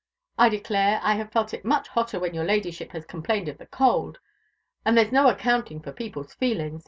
"I declare I have felt it much hotter when your Ladyship has complained of the cold; but there's no accounting for people's feelings.